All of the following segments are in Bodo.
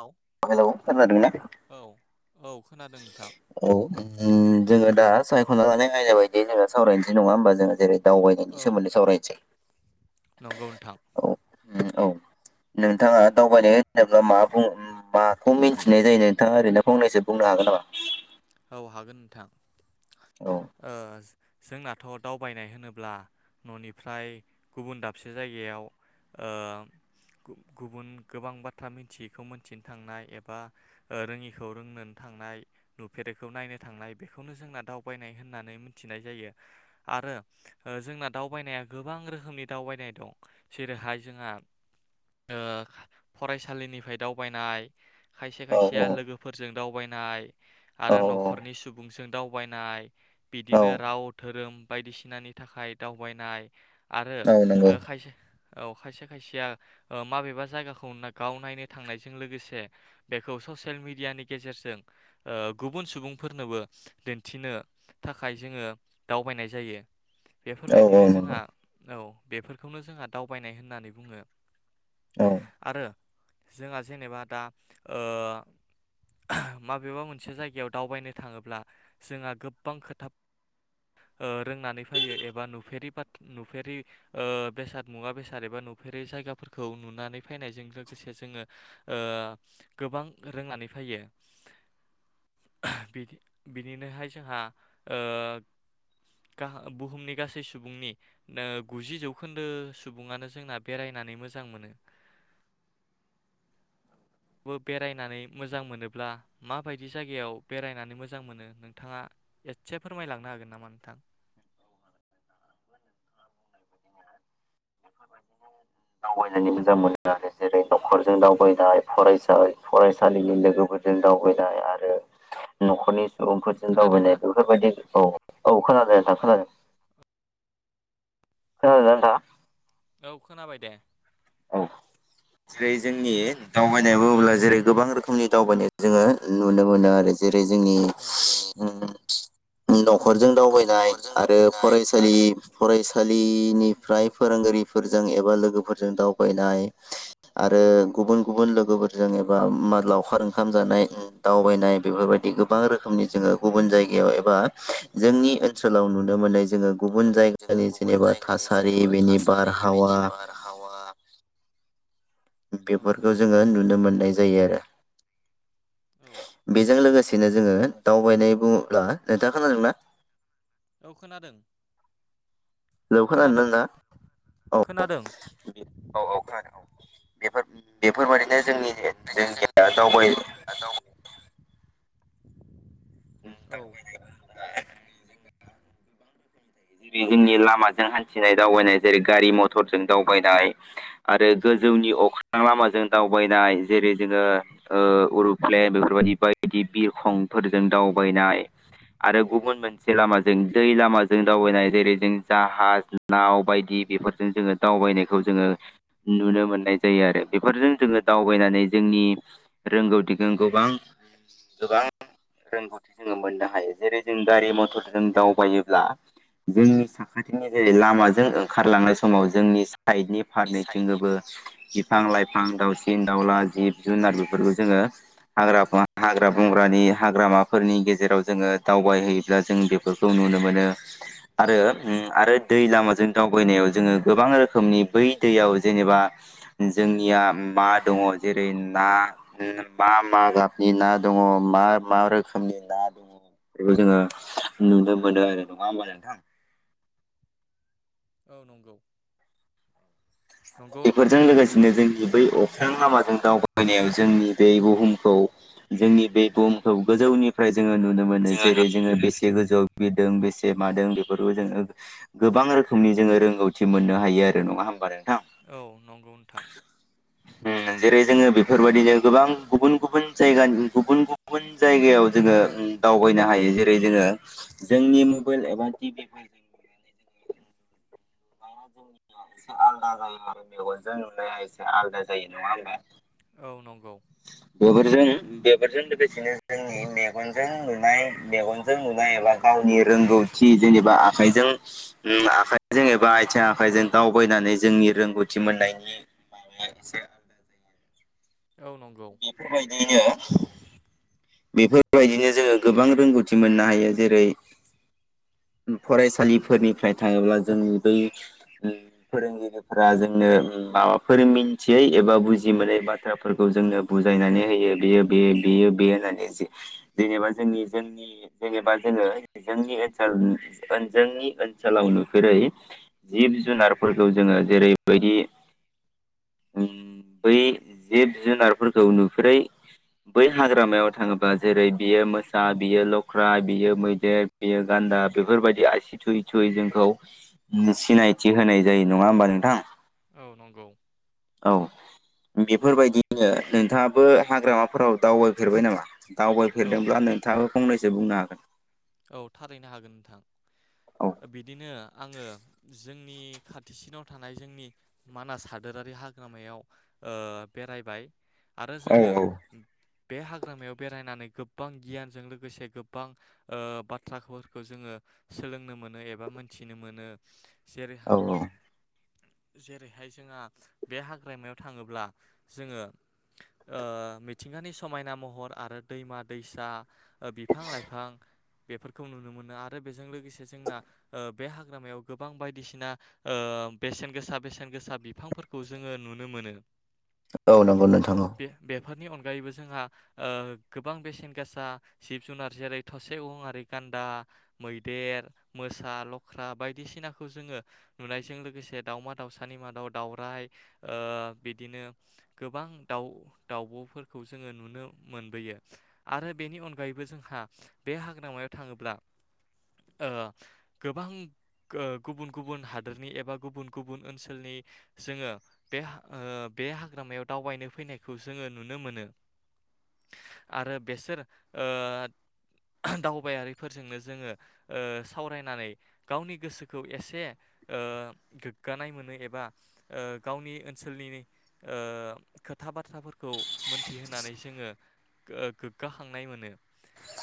औ हेलौ खोनादों ना? औ औ खोनादों नोंथां औ [unintelligible] जोङो दा सायख'जानानै आयदा बायदि जोंङो सावरायसै नङा होमबा जोङो जेरै औ दावबायनायनि सोमोनदै सावरायनोसै। नंगौ नोंथां। औ उम, औ नोंथाङा दावबायनाय होनोब्ला मा बुंङो माखौ मिन्थिनाय जायो नोंथाङा ओरैनो फंनैसो बुंनो हागोन नामा? औ हागोन नोंथां। औ ओ जोंनाथ' दावबायनाय होनोब्ला न'निफ्राय गुबुन दाबसे जायगायाव ओ गुबुन गोबां बाथ्रा मिथियैखौ मोनथिनो थांनाय एबा ओ रोङिखौ रोंनोन थांनाय दुब फेरैखौ नायनो थांनाय बेखौनो जोंना दावबायनाय होननानै मिथिनाय जायो आरो ओ जोंना दावबायनाया गोबां रोखोमनि दावबायनाय दं जेरैहाय जोंहा ओ फरायसालिनिफाय दावबायनाय खायसे औ खायसेया लोगोफोरजों दावबाय नाय औ आरो न'खरनि सुबुंसों दाउ वायनाय औ बिदिनो राव धोरोम बायदिसिनानि थाखाय दावबायनाय आरो औ नंगौ ओ खायसे औ खायसे खायसेया ओ माबेबा जायगाखौ गाव नायनो थांनायजों लोगोसे बेखौ ससियेल मिडियानि गेजेरजों ओ गुबुन सुबुंफोरनोबो दिन्थिनो थाखाय जोङो दावबायनाय जायो। औ औ बेफोरबायदिनो जोंहा नंगौ औ। बेफोरखौनो जोंहा दावबायनाय होननानै बुङो। औ आरो जोंहा जेनेबा दा ओ [unintelligible] माबेबा मोनसे जायग याव दावबायनो थाङोब्ला जोंहा गोबां खोथाब ओ रोंनानै फोयो एबा नुफेरि बाथ नुफेरि ओ बेसाद मुवा बेसाद एबा नुफेरि जायगाफोरखौ नुनानै फानायजों लोगोसे जोंङो ओ गोबां रोंनानै फायो। [unintelligible] बिदि बिनिनोहाय जोंहा ओ गाहा बुहुमनि गासै सुबुंनि ओ गुजि जौखोन्दो सुबुङानो जोंना बेरायनानै मोजां मोनो। बो बेरायनानै मोजां मोनोब्ला माबायदि जायगायाव बेरायनानै मोजां मोनो नोंथाङा एदसे फोरमायलांनो हागोन नामा नोंथां? दावबायनायनि मोजां मोनग्रा जेरै नख'रजों दावबायनाय‌ फरायसा ओइ फरायसालिनि लोगोफोरजों दावबायनाय आरो नख'रनि सु गुबुंफोरजों खोनादोंना? दावबायनाय बेफोरबायदि। औ औ खोनादों नोंथां खोनादों। [unintelligible] औ खोनाबाय दे। औ जेरै जोंनि दावबायनाय बुङोब्ला जेरै गोबां रोखोमनि दावबायनाय जोङो नुनो मोनो आरो। जेरै जोंनि औ जोंनि ओम न'खरजों दावबायनाय अरजों आरो दावबायनाय फरायसालि आरो फराय सालिनिफ्राय फोरोंगिरिफोरजों एबा लोगोफोरजों दावबायनाय आरो गुबुन गुबुन लोगोफोरजों एबा मा लावखार ओंखाम जानाय दावबायनाय बेफोरबायदि गोबां रोखोमनि जोङो गुबुन जायगायाव एबा जोंनि ओनसोलाव नुनो मोननाय जोङो नुदों गुबुन जोङो जायगानि गुबुन जेनेबा जायगानि थासारि जेनेबा बेनि थासारि बारहावा बेनि बारहावा औ बेफोरखौ नंगौ जोङो नुनो मोननाय जा जायो आरो। औ बेजों लोगोसे बिदिनो जोङो दावबायनाय बुङोब्ला नोंथा खोनादोंना? औ खोनादों। हेल खोनादों खानादोंना खोनादों। नोंथां? बेफोर बेफोरबायदिनो जोंनि ओंखायनो जों जोंनिया दावबाय जों दाव औ। जेरै जोंनि लामाजों हान्थिनाय दावबायनाय जेरै गारि मथरजों दावबायनाय आरो गोजौनि अख्रां लामाजों दावबायनाय जेरै जोङो अरुप्लेन बेफोरबायदि बायदि बिरखंफोरजों दावबायनाय आरो गुबुन मोनसे लामाजों दै लामाजों दावबायनाय जेरै जों जाहाज नाव बायदि बेफोरजों जोङो दावबायनायखौ जोङो नुनो मोननाय जायो आरो बेफोरजों जोङो दावबायनानै जोंनि रोंगौथिखौ गोबां गोबां रोंगौथि जोङो मोननो हायो जेरै जों गारि मथर फोरजों औ नंगौ। दावबायोब्ला जोंनि साखाथिनि जेरै लामाजों ओंखारलांनाय समाव जोंनि सा साइडनि नि साइडनि फारनैथिंनोबो बिफां लाइ फां दाउसिन-दाउला जिब-जुनार बेफोरखौ जोङो हाग्रा हाग्रा बंग्रानि हाग्रामाफोरनि गेजेराव जोङो दावबायहयोब्ला जों जों बेफोरखौ जों नुनो मोनो। बेफोर आरो आरो दै लामाजों दावबायनायाव जोङो गोबां रोखोमनि बै दैयाव जेनेबा जोंनिया मा दङ जेरै ना मा मा गाबनि ना दङ मा मा रोखोमनि ना दङ बेखौ जोङो नुनो मोनो आरो। नङा होमबा नोंथां? औ नंगौ। नंगौ नोंथां बेफोरजों थारैनो। लोगोसेनो जोंनि बै अख्रां लामाजों दावबा बायनायाव जोंनि बे बुहुमखौ जोंनि बे बुहुमखौ गोजौनिफ्राय जोङो नुनो मोनो जेरै जोङो बेसे गोजौआव बिर बेसे मादों बेफोरखौ जोङो गोबां रोखोमनि जोङो रोंगौथि मोननो हायो आरो नङा होमबा नोंथां? औ नंगौ नोंथां। उम जेरै जोङो बेफोरबायदिनो गोबां गुबुन गुबुन जायगानि गुबुन गुबुन जायगायाव जोङो दावबायनो हायो जेरै जोङो जोंनि मबाइल एबा टि भि फोर जों एसे आलादा जायो आरो मेगनजों नुनाया एसे आलादा जायो नङा होमबा? औ नंगौ। बेफोरजों बेफोरजों लोगोसेनो जोंनि मेगनजों नुनाय मेगनजों नुनाय एबा गावनि रोंगौथि जेनेबा आखाइजों उम आखाइ जेनेबा आथिं आखाइजों दावबायनानै जोंनि रोंगौथि मोननायनि माबाया एसे आलादा जायो। औ नंगौ। दियैनो बेफोरबायदिनो जोङो गोबां रोंगौथि मोननो हायो जेरै फरायसालिफोरनिफ्राय थाङोब्ला जोंनि बै फोरोंगिरिफोरा जोंनो माबाफोर मिन्थियै एबा बुजि मोनै बाथ्राफोरखौ जोंनो बुजायनानै होयो बेयो बे बेयो बे होननानै जे-जेनेबा जोंनि जोंनि जेनेबा जोङो जोंनि [unintelligible] जोंनि ओनसोलाव नुफेरै जिब जुनारफोरखौ जोङो जेरैबायदि बै जिब जुनारफोरखौ नुफेरै बै हाग्रामायाव थाङोबा जेरै बेयो मोसा बियो लख्रा बियो मैदेर बियो गान्दा बेफोरबायदि आसि थुयै थुयै जोंखौ सिनायथि होनाय जायो नङा होमबा नोंथां? औ नंगौ औ बेफोरबायदिनो नोंथाङाबो हाग्रामाफोराव दावबायफेरबाय नामा? औ दावबायफेरदोंब्ला नोंथाङो फंनैसो बुंनो हागोन। औ थारैनो हागोन नोंथां। औ बिदिनो आङो जों नि खाथिसिनाव थानाय जोंनि मानास हादोरारि हाग्रामायाव ओ बेरायबाय। आरो जोङो बे हाग्रामायाव बेरायनानै गोबां गियानजों लोगोसे गोबां ओ बाथ्राफोरखौ जोङो सोलोंनो मोनो एबा मिनथिनो मोनो। जेरैहा औ औ जेरैहाय जोंहा बे हाग्रामायाव थाङोब्ला जोङो मिथिंगानि ओ समायना महर आरो दैमा दैसा बिफां लाइफां बेफोरखौ नुनो मोनो आरो बेजों लोगोसे जोंना ओ बे हाग्रामायाव गोबां बायदिसिना ओ बेसेन गोसा बेसेन गोसा बिफांफोरखौ जोङो नुनो मोनो। औ नंगौ नोंथां औ बे बेफोरनि अनगायैबो जोंहा ओ गोबां बेसेन गोसा जिब जुनार जेरै थ' से उ आरि गान्दा, मैदेर, मोसा, लख्रा बायदिसिनाखौ जोङो नुनायजों लोगोसे दाउमा दाउसानि मादाव दाउराइ ओ बिदिनो गोबां दाउ दाउब'फोरखौ जोङो नुनो मोनबोयो आरो बेनि अनगायैबो जोंहा बे हाग्रामायाव थाङोब्ला ओ गोबां ओ गुबुन गुबुन हादोरनि एबा गुबुन गुबुन ओनसोलनि जोङो बे बे हाग्रामायाव दावबायनो फैनायखौ जोङो नुनो मोनो। आरो बेसोर ओ दावबायारिफोरजोंनो जोङो ओ सावरायनानै गावनि गोसोखौ एसे ओ गोग्गानाय मोनो एबा ओ गावनि ओनसोलनि ओ खोथा बाथ्राफोरखौ मोनथिहोनानै जोङो गोग्गाखांनाय मोनो।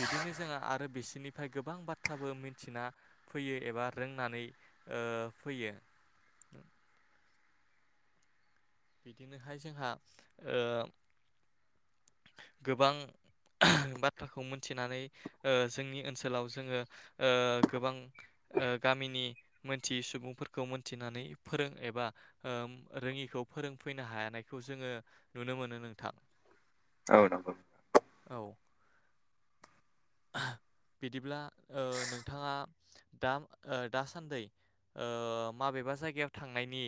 बिदिनो जोंहा आरो बिसोरनिफ्राय गोबां बाथ्राबो मिथिना फैयो एबा रोंनानै ओ फैयो। बिदिनोहाय जोंहा ओ गोबां बाथ्राखौ मोनथिनानै ओ जोंनि ओनसोलाव जोङो ओ गोबां ओ गामिनि मोनथियै सुबुंफोरखौ मोनथिनानै फोरों एबा ओ रोङिखौ फोरोंफैनो हानायखौ जोङो नुनो मोनो नोंथां। औ नंगौ। [unintelligible] बिदिब्ला ओ नोंथाङा दा दासान्दै ओ माबेबा जायगायाव थांनायनि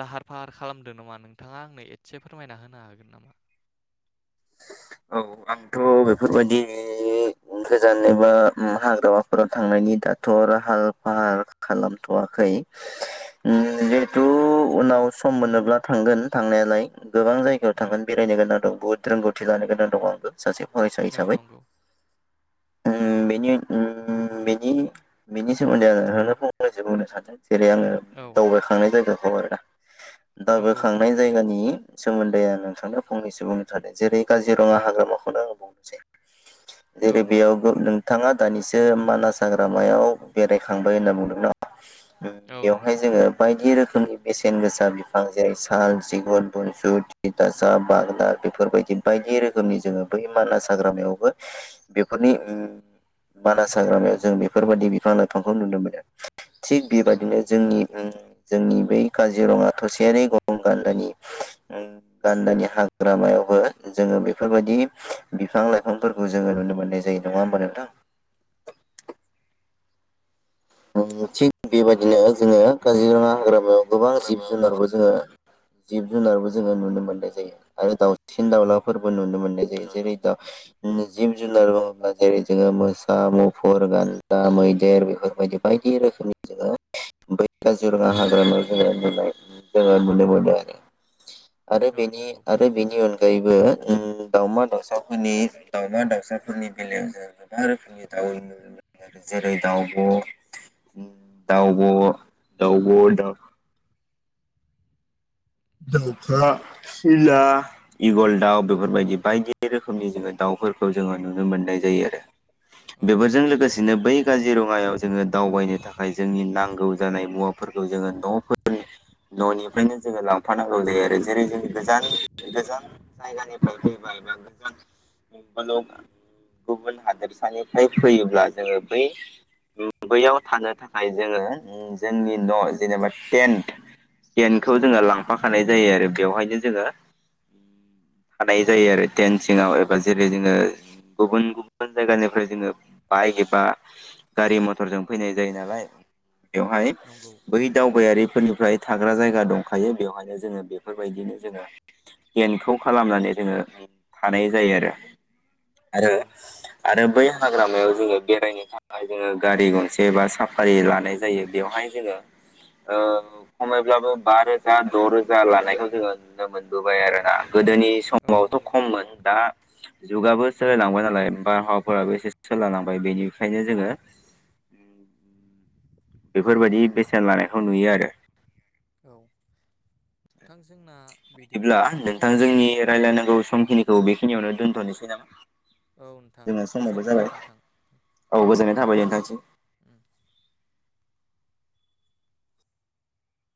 लाहार ओ फाहार खालामदों नामा नोंथाङा आंनो एसे फोरमायना होनो हागोन नामा? औ आंथ' बेफोरबायदि गोजान एबा हाग्रामाफोराव थांनायनि दाथ' लाहार फाहार खालामथ'वाखै जिहेथु ओम उनाव सम मोनोब्ला थांगोन थांनायालाय। गोबां जायगायाव औ थांगोन बेरायनो गोनां दं। बुहथ रोंगौथि लानो गोनां दं आंबो। सासे फरायसा औ हिसाबै नंगौ ओम नि ओम बेनि सोमोन्दै आनो फनैसो बुंनो सानदों। जेरै आङो औ दावबायखांनाय जायगा खौ आरो नंगौ नोंथां दाबोखांनाय थारैनो जायगानि सोमोन्दै आं नोंथांनो फंनसो बुंनो थांदों जेरै काजिरङा हाग्रामाखौनो आङ बुंनोसै। औ जेरै नंगौ बेयाव नोंथाङा दानिसो मानास हाग्रामायाव बेरायखांबाय होनना बुंदों ना। ओं औ बेवहाय नंगौ जोङो बायदि रोखोम बेसेन गोसा बिफां जेरै साल, सिगुन, बुनसु थिथााससा, बागद बेफोरबायदि। बायदि रोखोमनि जोङो बै मानास हाग्रामायावबो बेफोरनि मानास हाग्रामायाव जों बेफोरबायाददि बिफां लाइफांखौ नुनो मोनो। थिग औ बेबादिनो जोंनि उम जोंनि बै काजिरङा थसेयारि गं गान्दानि उम गान्दानि हाग्रामायावबो जोङो बेफोरबायदि बिफां लाइफांफोरखौ जोङो नुनो मोननाय जायो नङा होमब नोंथां? उम थिग बेबायदिनो जोङो काजिरङा हाग्रामायाव गोबां जिब जुनारबो जोङो जिब जुनारबो जोङो नुनो मोननाय जायो आरो दाउसिन दाउलाफोरबो नुनो मोननाय जायो। जेरै दा उम जिब जुनार बुङोब्ला जेरै जोङो मोसा मुफुर गान्दा मैदेर बेफोरबायदि बायदि रोखोमनि जोङो बै काजिरङा हाग्रामायाव जोङो नुनाय जोङो नुनो मोनो आरो आरो औ बेनि नंगौ आरो बेनि अनगायैबो उम दाउमा दाउसाफोरनि दाउमा दाउसाफोरनि बेलायाव जों गोबां रोखोमनि दउ नुनो मोनो जेरै दाउब दाउब दाउब दा दाउखा सिला इगल दाउ बेफोरबायदि बायदि रोखोमनि जोङो दाउफोरखौ जोङो नुनो मोननाय जायो आरो औ बेफोरजों थारैनो नंगौ लोगोसेनो बै काजि रङायाव जोङो दावबायनो थाखाय जोंनि नां गौ जानाय मुवाफोरखौ जोङो नफोरनि ननिफ्रायनो जोङोलां थानांगौ जेरै जेरै जों गोजान गोजान जायगानिफ्राय फैबाय बा गोजान [unintelligible] गुबुन हादोरसानिफ्राय फैयोब्ला जोङो बै उम बैयाव थानो थाखाय जोङो उम जोंनि न जेनेबा टेन्ट टेनखौ औ जोङो लां [unintelligible] जायो आरो बेयावहायनो जोङो थानाय जायो आरो टेन सिङाव एबा जेरै जोङो गुबुन गुबुन जायगानिफ्राय जोङो बाइक एबा गारि मथरजों फैनाय जायो नालाय बेवहाय नंगौ बै दावबायारिफोरनि फ्राय थाग्रा जायगा दंखायो बेवहाय जोङो बेफोरबायदिनो जोङो पेनखौ खालामनानै जोङो थानाय जायो आरो आरो औ आरो बै हाग्रामायाव जोङो बेरायनो थाखाय जोङो गारि गंसे बा साफारि लानाय जायो बेयावहाय जोङ ओ खमायोब्लाबो बा रोजा द रोजा लानायखौ जोङो नुनो मोनबोबाय आरो ना। गोदोनि औ समावथ नंगौ खममोन दा जुगाबो सोलायलांबाय नालाय बारहावाफोराबो एसे सोलायलांबाय बेनिखायनो जोङो उम बेफोरबायदि बेसेन लानायखौ नुयो आरो औ नोंथां जोंना बिदिब्ला नोंथां समाबो जोंनि जाबाय रायलायनांगौ समखिनि थ बेखिनियावनो दोथनोसै नामा? औ नोंथां जोङो समावबो गोजोनबाय जाबाय नोंथां औ गोजोनै थाबाय नोंथांनिसिम। उम।